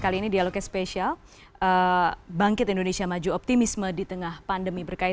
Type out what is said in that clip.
kali ini dialognya spesial